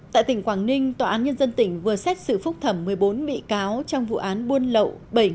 tại tỉnh quảng ninh tòa án nhân dân tỉnh vừa xét xử phúc thẩm một mươi bốn bị cáo trong vụ án buôn lậu